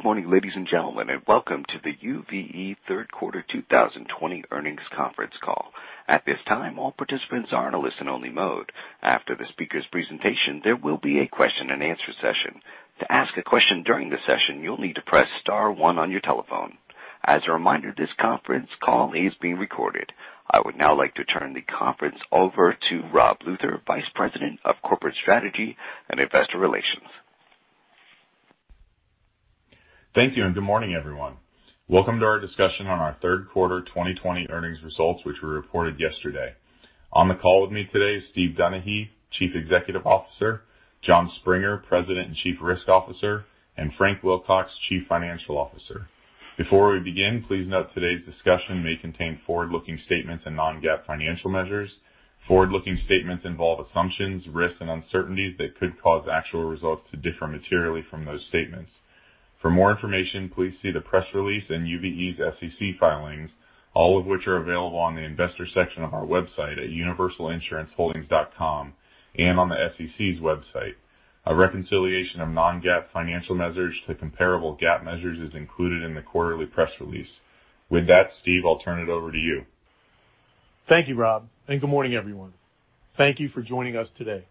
Good morning, ladies and gentlemen, and welcome to the UVE third quarter 2020 earnings conference call. At this time, all participants are in a listen-only mode. After the speaker's presentation, there will be a question and answer session. To ask a question during the session, you will need to press star one on your telephone. As a reminder, this conference call is being recorded. I would now like to turn the conference over to Rob Luther, Vice President of Corporate Strategy and Investor Relations. Thank you, and good morning, everyone. Welcome to our discussion on our third quarter 2020 earnings results, which were reported yesterday. On the call with me today is Steve Donaghy, Chief Executive Officer, Jon Springer, President and Chief Risk Officer, and Frank Wilcox, Chief Financial Officer. Before we begin, please note today's discussion may contain forward-looking statements and non-GAAP financial measures. Forward-looking statements involve assumptions, risks, and uncertainties that could cause actual results to differ materially from those statements. For more information, please see the press release and UVE's SEC filings, all of which are available on the investor section of our website at universalinsuranceholdings.com and on the SEC's website. A reconciliation of non-GAAP financial measures to comparable GAAP measures is included in the quarterly press release. With that, Steve, I will turn it over to you. Thank you, Rob, and good morning, everyone. Thank you for joining us today.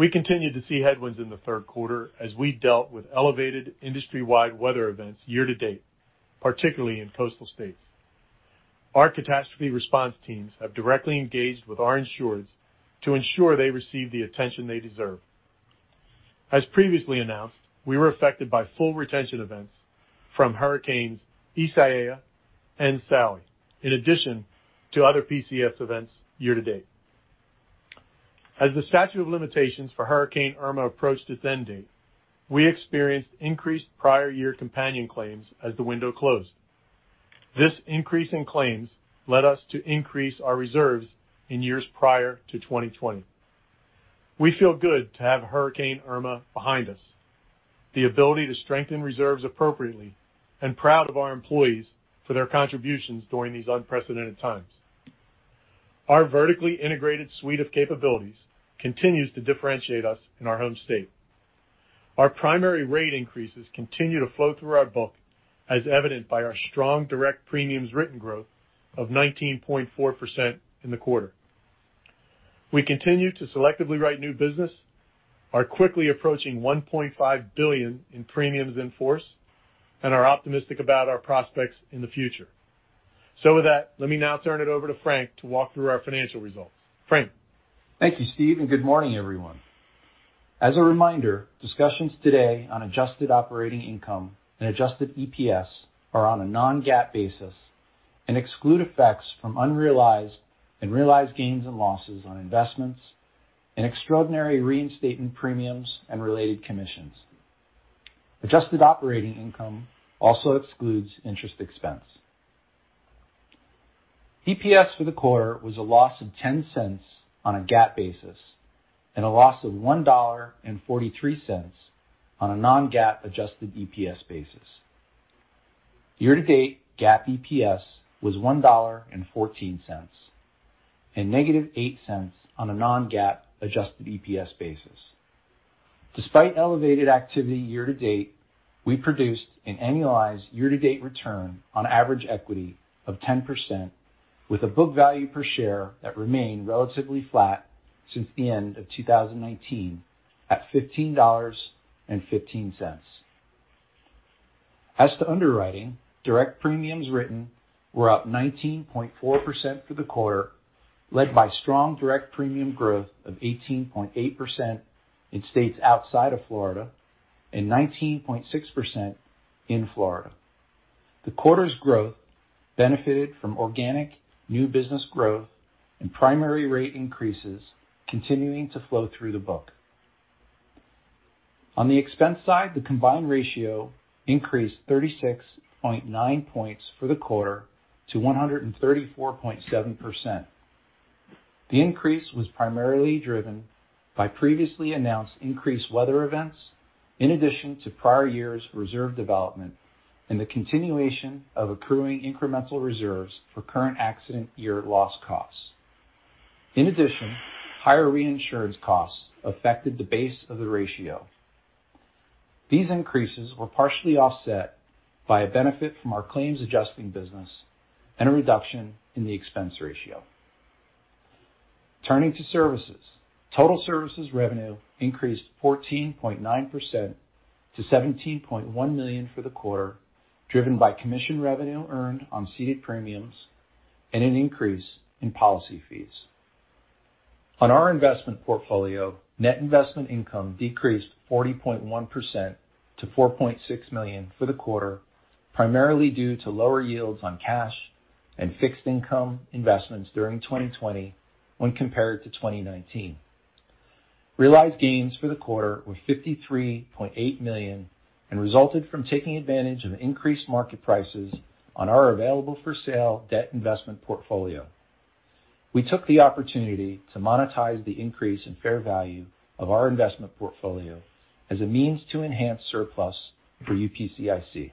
We continued to see headwinds in the third quarter as we dealt with elevated industry-wide weather events year to date, particularly in coastal states. Our catastrophe response teams have directly engaged with our insureds to ensure they receive the attention they deserve. As previously announced, we were affected by full retention events from Hurricanes Isaias and Sally, in addition to other PCS events year to date. As the statute of limitations for Hurricane Irma approached its end date, we experienced increased prior year companion claims as the window closed. This increase in claims led us to increase our reserves in years prior to 2020. We feel good to have Hurricane Irma behind us, the ability to strengthen reserves appropriately, and proud of our employees for their contributions during these unprecedented times. Our vertically integrated suite of capabilities continues to differentiate us in our home state. Our primary rate increases continue to flow through our book, as evidenced by our strong direct premiums written growth of 19.4% in the quarter. We continue to selectively write new business, are quickly approaching $1.5 billion in premiums in force, and are optimistic about our prospects in the future. With that, let me now turn it over to Frank to walk through our financial results. Frank? Thank you, Steve, and good morning, everyone. As a reminder, discussions today on adjusted operating income and adjusted EPS are on a non-GAAP basis and exclude effects from unrealized and realized gains and losses on investments and extraordinary reinstatement premiums and related commissions. Adjusted operating income also excludes interest expense. EPS for the quarter was a loss of $0.10 on a GAAP basis and a loss of $1.43 on a non-GAAP adjusted EPS basis. Year to date, GAAP EPS was $1.14 and negative $0.08 on a non-GAAP adjusted EPS basis. Despite elevated activity year to date, we produced an annualized year-to-date return on average equity of 10%, with a book value per share that remained relatively flat since the end of 2019, at $15.15. As to underwriting, direct premiums written were up 19.4% for the quarter, led by strong direct premium growth of 18.8% in states outside of Florida and 19.6% in Florida. The quarter's growth benefited from organic new business growth and primary rate increases continuing to flow through the book. On the expense side, the combined ratio increased 36.9 points for the quarter to 134.7%. The increase was primarily driven by previously announced increased weather events in addition to prior years' reserve development and the continuation of accruing incremental reserves for current accident year loss costs. Higher reinsurance costs affected the base of the ratio. These increases were partially offset by a benefit from our claims adjusting business and a reduction in the expense ratio. Turning to services. Total services revenue increased 14.9% to $17.1 million for the quarter, driven by commission revenue earned on ceded premiums and an increase in policy fees. On our investment portfolio, net investment income decreased 40.1% to $4.6 million for the quarter, primarily due to lower yields on cash and fixed income investments during 2020 when compared to 2019. Realized gains for the quarter were $53.8 million and resulted from taking advantage of increased market prices on our available-for-sale debt investment portfolio. We took the opportunity to monetize the increase in fair value of our investment portfolio as a means to enhance surplus for UPCIC.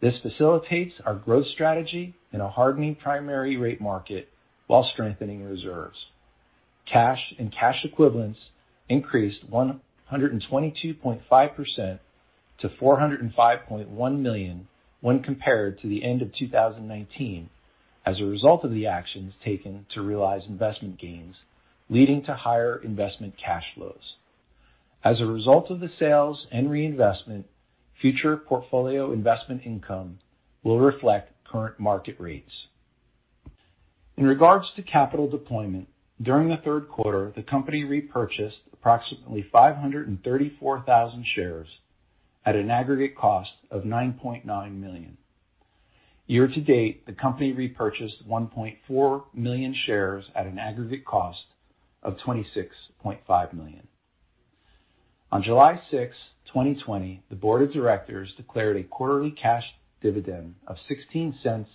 This facilitates our growth strategy in a hardening primary rate market while strengthening reserves. Cash and cash equivalents increased 122.5% to $405.1 million when compared to the end of 2019 as a result of the actions taken to realize investment gains, leading to higher investment cash flows. As a result of the sales and reinvestment, future portfolio investment income will reflect current market rates. In regards to capital deployment, during the third quarter, the company repurchased approximately 534,000 shares at an aggregate cost of $9.9 million. Year-to-date, the company repurchased 1.4 million shares at an aggregate cost of $26.5 million. On July 6, 2020, the board of directors declared a quarterly cash dividend of $0.16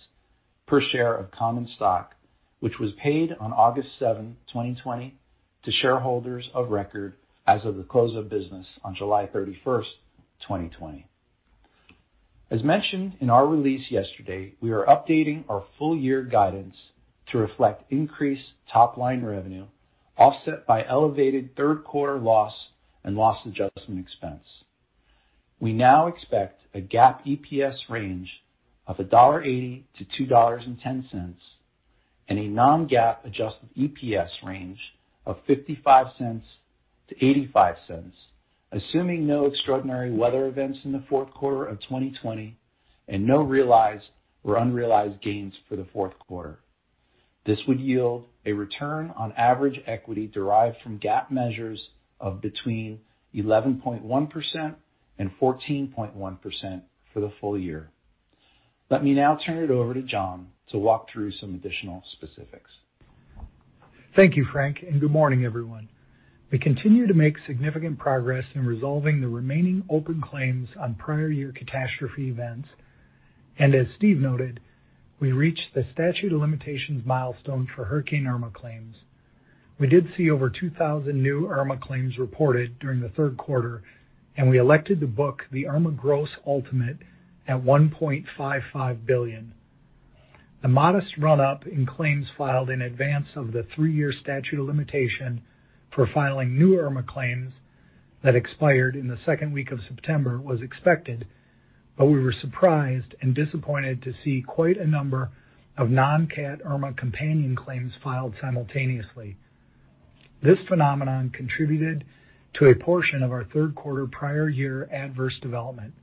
per share of common stock, which was paid on August 7, 2020, to shareholders of record as of the close of business on July 31, 2020. As mentioned in our release yesterday, we are updating our full year guidance to reflect increased top-line revenue offset by elevated third quarter loss and loss adjustment expense. We now expect a GAAP EPS range of $1.80-$2.10, and a non-GAAP adjusted EPS range of $0.55-$0.85, assuming no extraordinary weather events in the fourth quarter of 2020 and no realized or unrealized gains for the fourth quarter. This would yield a return on average equity derived from GAAP measures of between 11.1% and 14.1% for the full year. Let me now turn it over to Jon to walk through some additional specifics. Thank you, Frank, good morning, everyone. We continue to make significant progress in resolving the remaining open claims on prior year catastrophe events. As Steve noted, we reached the statute of limitations milestone for Hurricane Irma claims. We did see over 2,000 new Irma claims reported during the third quarter, and we elected to book the Irma gross ultimate at $1.55 billion. The modest run-up in claims filed in advance of the three-year statute of limitation for filing new Irma claims that expired in the second week of September was expected, we were surprised and disappointed to see quite a number of non-cat Irma companion claims filed simultaneously. This phenomenon contributed to a portion of our third quarter prior year adverse development.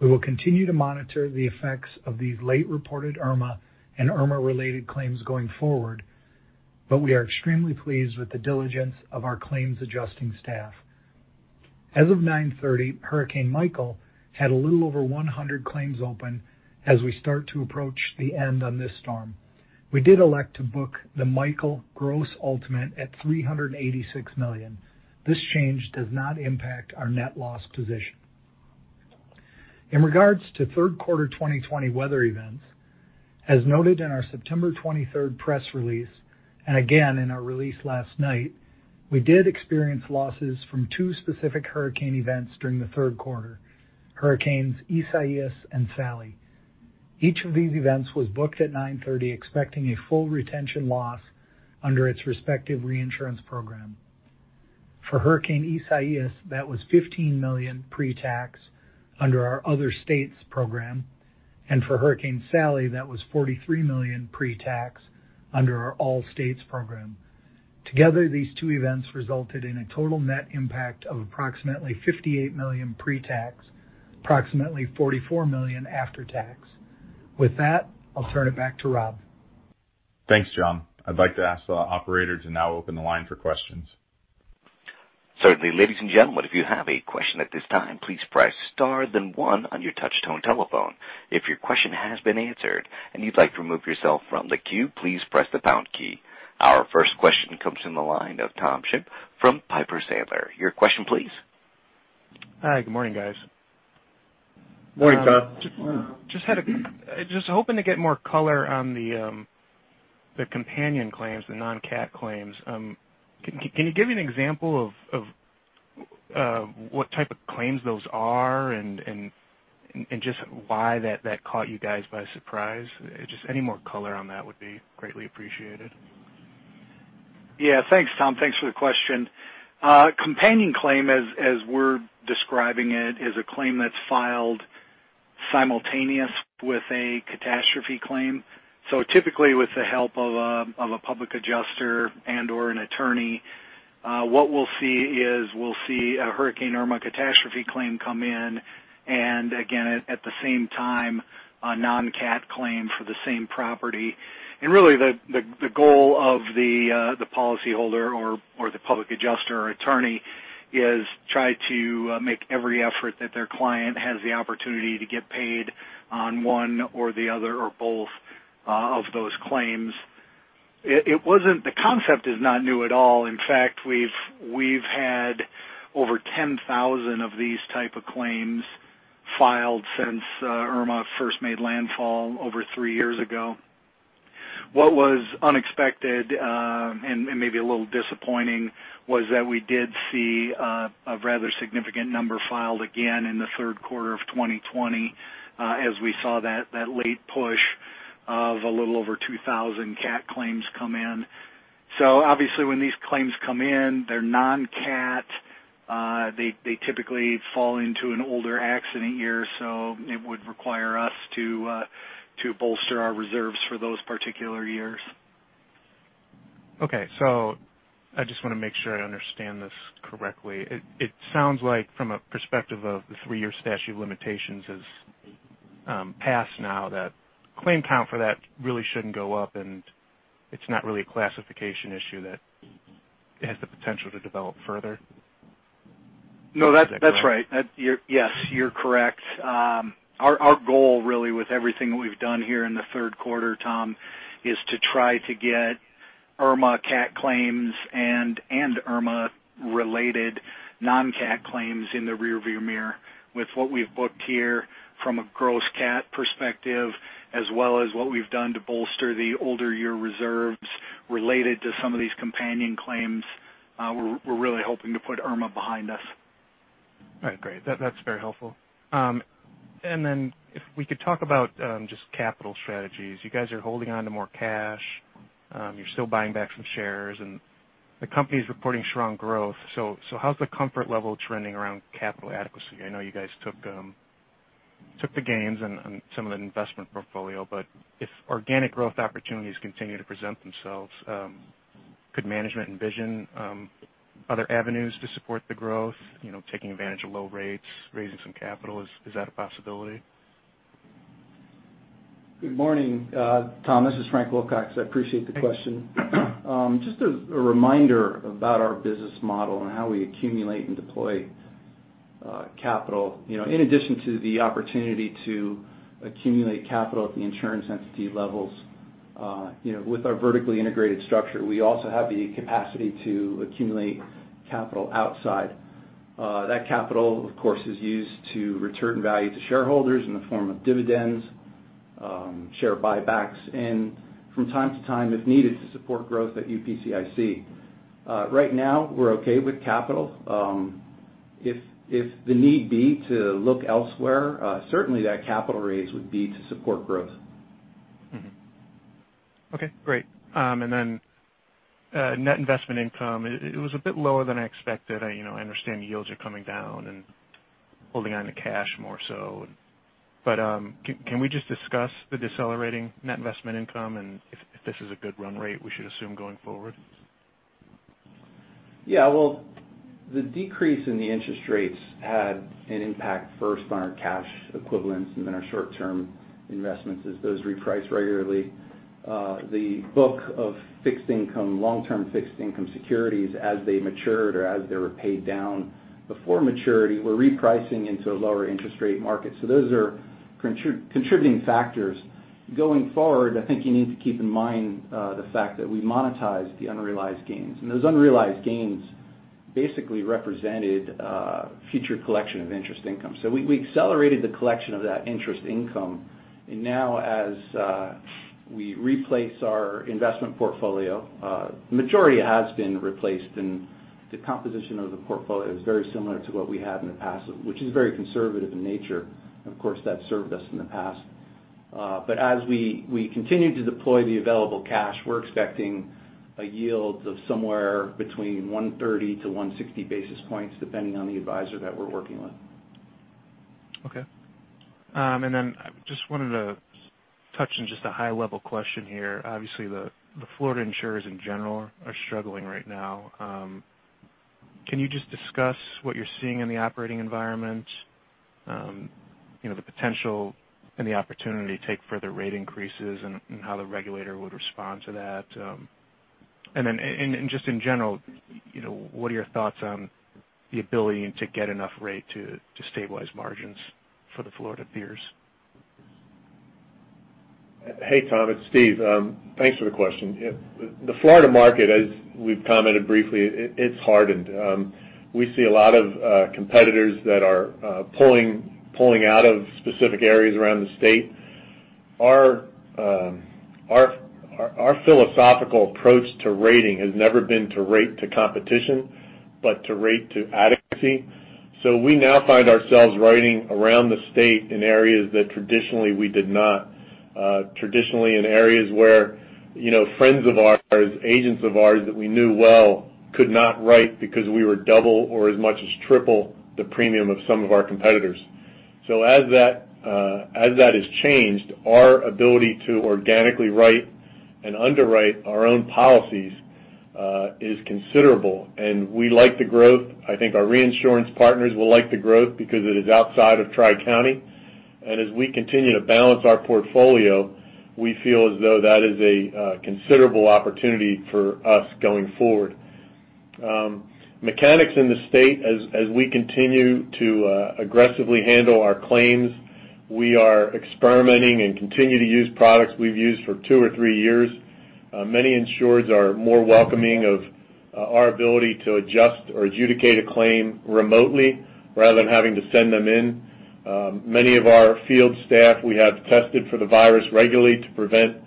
We will continue to monitor the effects of these late-reported Irma and Irma-related claims going forward, we are extremely pleased with the diligence of our claims adjusting staff. As of 9/30, Hurricane Michael had a little over 100 claims open as we start to approach the end on this storm. We did elect to book the Michael gross ultimate at $386 million. This change does not impact our net loss position. In regards to third quarter 2020 weather events, as noted in our September 23rd press release, again in our release last night, we did experience losses from two specific hurricane events during the third quarter, Hurricanes Isaias and Sally. Each of these events was booked at 9/30, expecting a full retention loss under its respective reinsurance program. For Hurricane Isaias, that was $15 million pre-tax under our other states program, for Hurricane Sally, that was $43 million pre-tax under our all states program. Together, these two events resulted in a total net impact of approximately $58 million pre-tax, approximately $44 million after tax. With that, I'll turn it back to Rob. Thanks, Jon. I'd like to ask the operator to now open the line for questions. Certainly. Ladies and gentlemen, if you have a question at this time, please press star then one on your touchtone telephone. If your question has been answered and you'd like to remove yourself from the queue, please press the pound key. Our first question comes from the line of Tom Shinn from Piper Sandler. Your question, please. Hi, good morning, guys. Morning, Tom. Morning. Just hoping to get more color on the companion claims, the non-CAT claims. Can you give me an example of what type of claims those are and just why that caught you guys by surprise? Just any more color on that would be greatly appreciated. Yeah. Thanks, Tom. Thanks for the question. A companion claim, as we're describing it, is a claim that's filed simultaneous with a catastrophe claim. Typically, with the help of a public adjuster and/or an attorney, what we'll see is we'll see a Hurricane Irma catastrophe claim come in, again, at the same time, a non-CAT claim for the same property. Really, the goal of the policyholder or the public adjuster or attorney is try to make every effort that their client has the opportunity to get paid on one or the other or both of those claims. The concept is not new at all. In fact, we've had over 10,000 of these type of claims filed since Irma first made landfall over three years ago. What was unexpected, and maybe a little disappointing, was that we did see a rather significant number filed again in the third quarter of 2020, as we saw that late push of a little over 2,000 CAT claims come in. Obviously, when these claims come in, they're non-CAT, they typically fall into an older accident year. It would require us to bolster our reserves for those particular years. Okay. I just want to make sure I understand this correctly. It sounds like from a perspective of the three-year statute of limitations has passed now, that claim count for that really shouldn't go up, it's not really a classification issue that has the potential to develop further. No, that's right. Yes. You're correct. Our goal really with everything we've done here in the third quarter, Tom, is to try to get Irma CAT claims and Irma related non-CAT claims in the rearview mirror with what we've booked here from a gross CAT perspective, as well as what we've done to bolster the older year reserves related to some of these companion claims. We're really hoping to put Irma behind us. If we could talk about just capital strategies. You guys are holding onto more cash. You're still buying back some shares, and the company's reporting strong growth. How's the comfort level trending around capital adequacy? I know you guys took the gains on some of the investment portfolio, but if organic growth opportunities continue to present themselves, could management envision other avenues to support the growth? Taking advantage of low rates, raising some capital, is that a possibility? Good morning, Tom. This is Frank Wilcox. I appreciate the question. Just a reminder about our business model and how we accumulate and deploy capital. In addition to the opportunity to accumulate capital at the insurance entity levels, with our vertically integrated structure, we also have the capacity to accumulate capital outside. That capital, of course, is used to return value to shareholders in the form of dividends, share buybacks, and from time to time, if needed, to support growth at UPCIC. Right now, we're okay with capital. If the need be to look elsewhere, certainly that capital raise would be to support growth. Okay, great. net investment income, it was a bit lower than I expected. I understand yields are coming down and holding on to cash more so. Can we just discuss the decelerating net investment income, and if this is a good run rate we should assume going forward? Well, the decrease in the interest rates had an impact first on our cash equivalents and then our short-term investments as those reprice regularly. The book of long-term fixed income securities as they matured or as they were paid down before maturity, were repricing into a lower interest rate market. Those are contributing factors. Going forward, I think you need to keep in mind the fact that we monetized the unrealized gains, and those unrealized gains basically represented future collection of interest income. We accelerated the collection of that interest income. Now as we replace our investment portfolio, majority has been replaced and the composition of the portfolio is very similar to what we had in the past, which is very conservative in nature. Of course, that's served us in the past. As we continue to deploy the available cash, we're expecting a yield of somewhere between 130-160 basis points, depending on the advisor that we're working with. Just wanted to touch on just a high level question here. Obviously, the Florida insurers in general are struggling right now. Can you just discuss what you're seeing in the operating environment? The potential and the opportunity to take further rate increases and how the regulator would respond to that. Just in general, what are your thoughts on the ability to get enough rate to stabilize margins for the Florida peers? Hey, Tom, it's Steve. Thanks for the question. The Florida market, as we've commented briefly, it's hardened. We see a lot of competitors that are pulling out of specific areas around the state. Our philosophical approach to rating has never been to rate to competition, but to rate to adequacy. We now find ourselves rating around the state in areas that traditionally we did not. Traditionally in areas where friends of ours, agents of ours that we knew well could not write because we were double or as much as triple the premium of some of our competitors. As that has changed, our ability to organically write and underwrite our own policies is considerable, and we like the growth. I think our reinsurance partners will like the growth because it is outside of Tri-County. As we continue to balance our portfolio, we feel as though that is a considerable opportunity for us going forward. Mechanics in the state, as we continue to aggressively handle our claims, we are experimenting and continue to use products we've used for two or three years. Many insureds are more welcoming of our ability to adjust or adjudicate a claim remotely rather than having to send them in. Many of our field staff we have tested for the virus regularly to prevent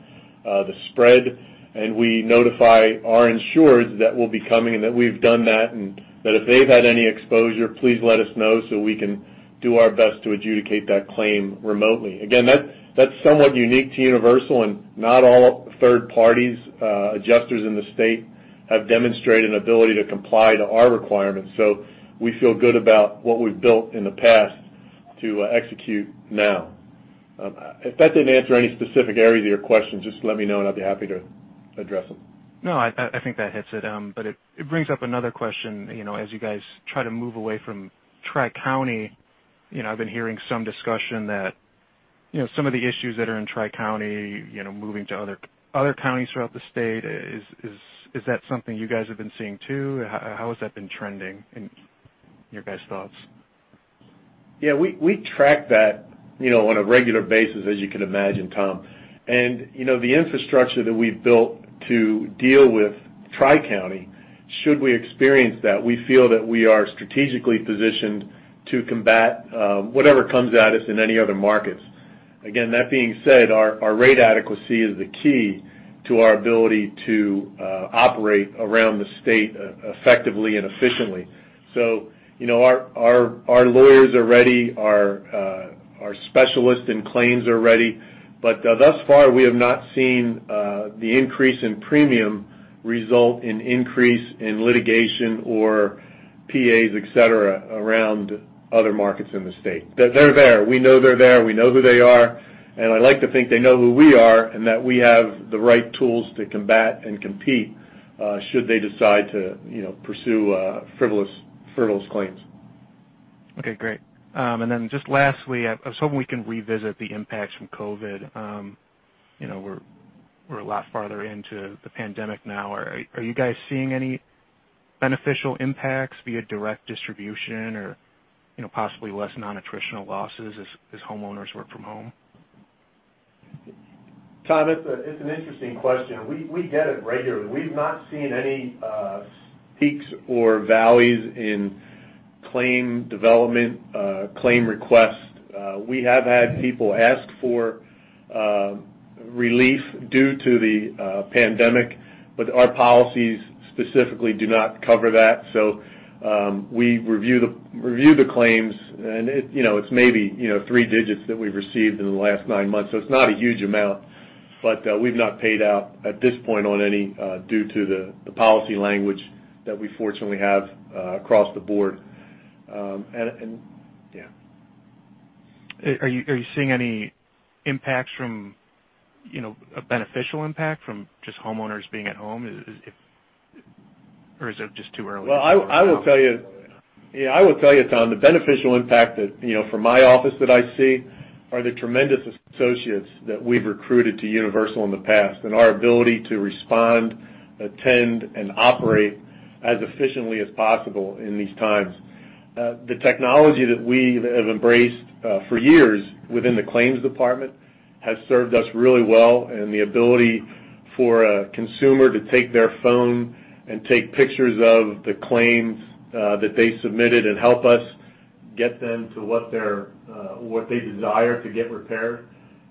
the spread, and we notify our insureds that we'll be coming and that we've done that, and that if they've had any exposure, please let us know so we can do our best to adjudicate that claim remotely. Again, that's somewhat unique to Universal, and not all third parties, adjusters in the state have demonstrated an ability to comply to our requirements. We feel good about what we've built in the past to execute now. If that didn't answer any specific area to your question, just let me know and I'll be happy to address them. No, I think that hits it. It brings up another question as you guys try to move away from Tri-County, I've been hearing some discussion that some of the issues that are in Tri-County moving to other counties throughout the state. Is that something you guys have been seeing, too? How has that been trending in your guys' thoughts? Yeah, we track that on a regular basis as you can imagine, Tom. The infrastructure that we've built to deal with Tri-County, should we experience that, we feel that we are strategically positioned to combat whatever comes at us in any other markets. Again, that being said, our rate adequacy is the key to our ability to operate around the state effectively and efficiently. Our lawyers are ready. Our specialists in claims are ready. Thus far, we have not seen the increase in premium result in increase in litigation or PAs, et cetera, around other markets in the state. They're there. We know they're there. We know who they are. I like to think they know who we are, and that we have the right tools to combat and compete should they decide to pursue frivolous claims. Okay, great. Then just lastly, I was hoping we can revisit the impacts from COVID. We're a lot farther into the pandemic now. Are you guys seeing any beneficial impacts via direct distribution or possibly less non-attritional losses as homeowners work from home? Tom, it's an interesting question. We get it regularly. We've not seen any peaks or valleys in claim development, claim request. We have had people ask for relief due to the pandemic, but our policies specifically do not cover that. We review the claims and it's maybe 3 digits that we've received in the last 9 months, so it's not a huge amount. We've not paid out at this point on any due to the policy language that we fortunately have across the board. Yeah. Are you seeing any impacts, a beneficial impact from just homeowners being at home? Is it just too early to tell? Yeah, I will tell you, Tom, the beneficial impact that from my office that I see are the tremendous associates that we've recruited to Universal in the past and our ability to respond, attend, and operate as efficiently as possible in these times. The technology that we have embraced for years within the claims department has served us really well, and the ability for a consumer to take their phone and take pictures of the claims that they submitted and help us get them to what they desire to get repaired.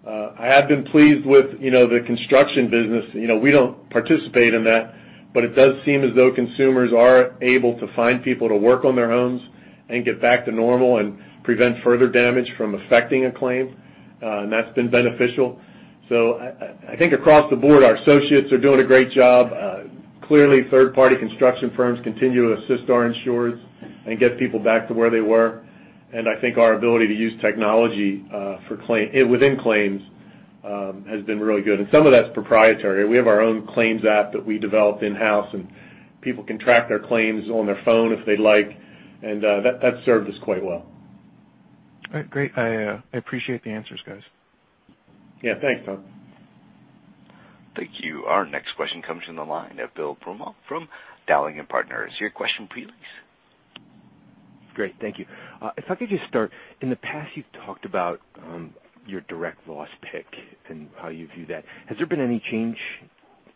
I have been pleased with the construction business. We don't participate in that. It does seem as though consumers are able to find people to work on their homes and get back to normal and prevent further damage from affecting a claim. That's been beneficial. I think across the board, our associates are doing a great job. Clearly, third-party construction firms continue to assist our insurers and get people back to where they were. I think our ability to use technology within claims has been really good. Some of that's proprietary. We have our own claims app that we developed in-house, and people can track their claims on their phone if they'd like. That's served us quite well. All right, great. I appreciate the answers, guys. Yeah. Thanks, Tom. Thank you. Our next question comes from the line of Bill Promm from Dowling & Partners. Your question please. Great. Thank you. If I could just start, in the past, you've talked about your direct loss pick and how you view that. Has there been any change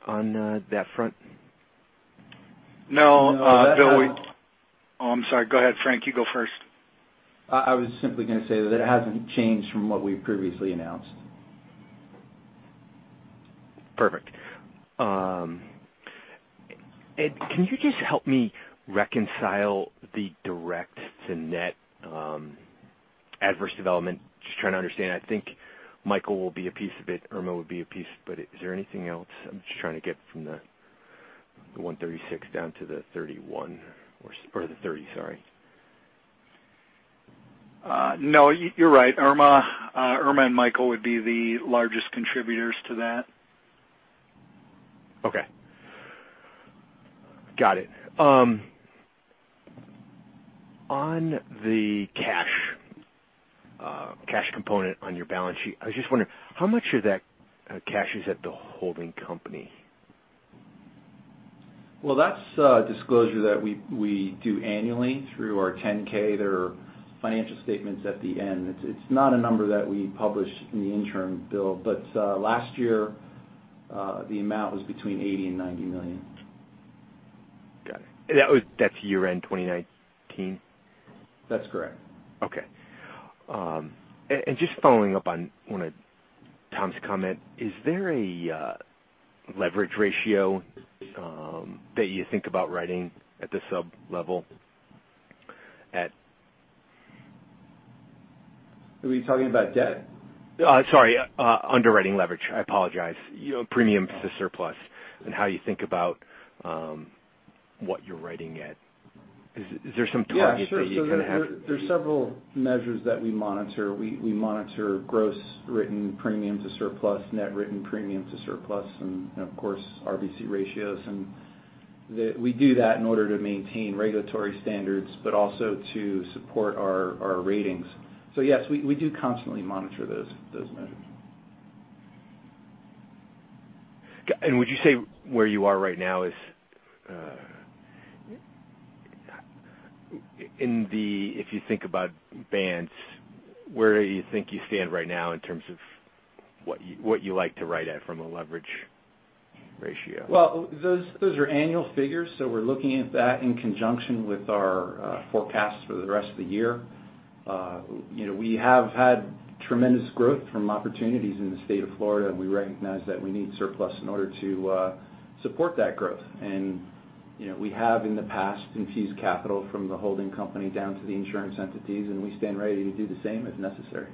on that front? No Bill. No. Oh, I'm sorry. Go ahead, Frank, you go first. I was simply going to say that it hasn't changed from what we've previously announced. Perfect. And can you just help me reconcile the direct to net adverse development? Just trying to understand. I think Michael will be a piece of it, Irma will be a piece of it. Is there anything else? I'm just trying to get from the $136 down to the $31 or the $30, sorry. You're right. Irma and Michael would be the largest contributors to that. Okay. Got it. On the cash component on your balance sheet, I was just wondering, how much of that cash is at the holding company? Well, that's a disclosure that we do annually through our 10-K. There are financial statements at the end. It's not a number that we publish in the interim, Bill, but last year, the amount was between $80 million and $90 million. Got it. That's year-end 2019? That's correct. Okay. Just following up on one of Tom's comment, is there a leverage ratio that you think about writing at the sub-level? Are we talking about debt? Sorry, underwriting leverage. I apologize. Premiums to surplus and how you think about what you're writing at. Is there some target that you kind of have? There's several measures that we monitor. We monitor gross written premium to surplus, net written premium to surplus, and of course, RBC ratios. We do that in order to maintain regulatory standards, but also to support our ratings. Yes, we do constantly monitor those measures. Would you say where you are right now is, if you think about bands, where you think you stand right now in terms of what you like to write at from a leverage ratio? Those are annual figures, so we're looking at that in conjunction with our forecast for the rest of the year. We have had tremendous growth from opportunities in the state of Florida, and we recognize that we need surplus in order to support that growth. We have in the past infused capital from the holding company down to the insurance entities, and we stand ready to do the same if necessary.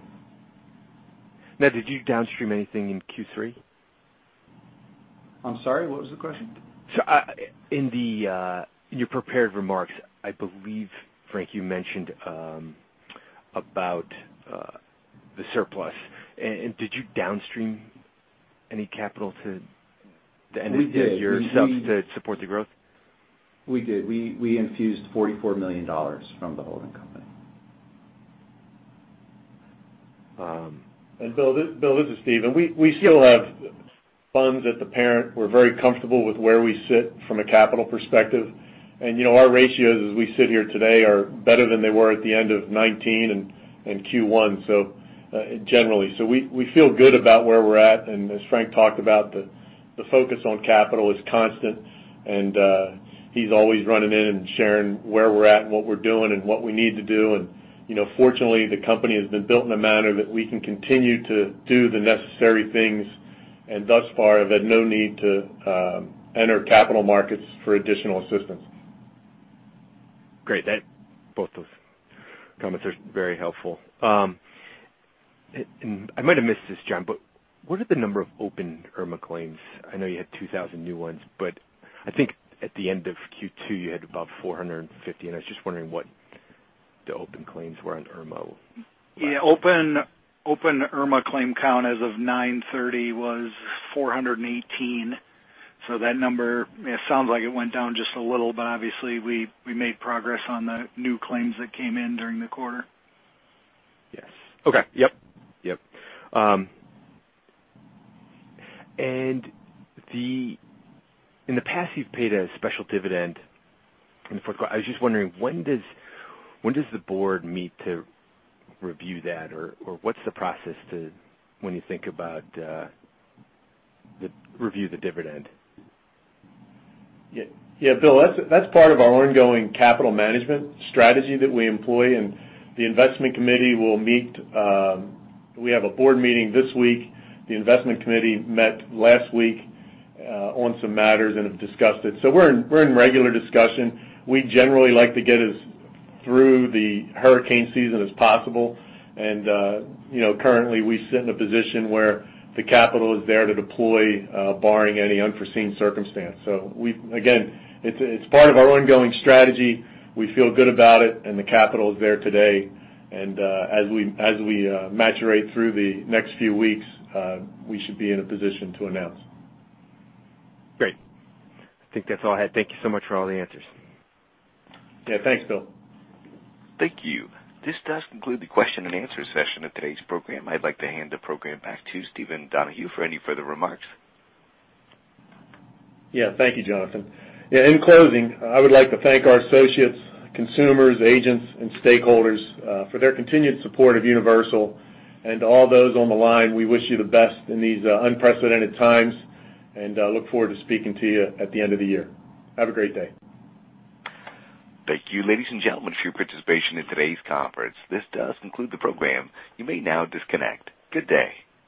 Did you downstream anything in Q3? I'm sorry, what was the question? In your prepared remarks, I believe, Frank, you mentioned about the surplus. Did you downstream any capital to the entities yourselves to support the growth? We did. We infused $44 million from the holding company. Bill, this is Steve, we still have funds at the parent. We're very comfortable with where we sit from a capital perspective. Our ratios, as we sit here today, are better than they were at the end of 2019 and Q1, generally. We feel good about where we're at. As Frank talked about, the focus on capital is constant, he's always running in and sharing where we're at and what we're doing and what we need to do. Fortunately, the company has been built in a manner that we can continue to do the necessary things, and thus far have had no need to enter capital markets for additional assistance. Great. Both those comments are very helpful. I might have missed this, Jon, what are the number of open Irma claims? I know you had 2,000 new ones, I think at the end of Q2, you had above 450, I was just wondering what the open claims were on Irma. Yeah. Open Irma claim count as of 9/30 was 418. That number, it sounds like it went down just a little, obviously we made progress on the new claims that came in during the quarter. Yes. Okay. Yep. In the past, you've paid a special dividend in the fourth quarter. I was just wondering, when does the board meet to review that, or what's the process when you think about review the dividend? Bill, that's part of our ongoing capital management strategy that we employ. The investment committee will meet. We have a board meeting this week. The investment committee met last week on some matters and have discussed it. We're in regular discussion. We generally like to get as through the hurricane season as possible. Currently we sit in a position where the capital is there to deploy, barring any unforeseen circumstance. Again, it's part of our ongoing strategy. We feel good about it and the capital is there today, and as we mature through the next few weeks, we should be in a position to announce. Great. I think that's all I had. Thank you so much for all the answers. Thanks, Bill. Thank you. This does conclude the question and answer session of today's program. I'd like to hand the program back to Stephen Donaghy for any further remarks. Yeah. Thank you, Jonathan. Yeah. In closing, I would like to thank our associates, consumers, agents, and stakeholders for their continued support of Universal. To all those on the line, we wish you the best in these unprecedented times and look forward to speaking to you at the end of the year. Have a great day. Thank you, ladies and gentlemen, for your participation in today's conference. This does conclude the program. You may now disconnect. Good day.